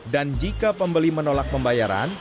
dan jika pembeli menolak pembayaran